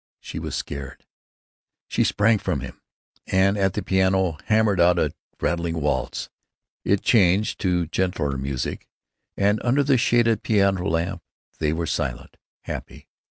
She was sacred. She sprang from him, and at the piano hammered out a rattling waltz. It changed to gentler music, and under the shaded piano lamp they were silent, happy.